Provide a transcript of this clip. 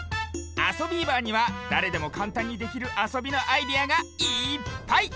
「あそビーバー」にはだれでもかんたんにできるあそびのアイデアがいっぱい！